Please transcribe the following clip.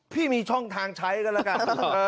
พี่มีช่องทางใช้กันแล้วกัน